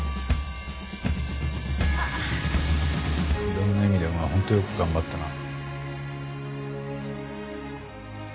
いろんな意味でお前は本当よく頑張ったな。